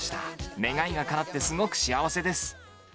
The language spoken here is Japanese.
願いがかなってすごく幸せです。